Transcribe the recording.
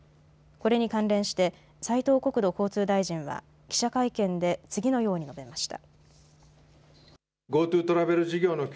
これに関連して斉藤国土交通大臣は記者会見で次のように述べました。